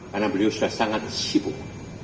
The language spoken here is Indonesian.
karena beliau sudah sangat sibuk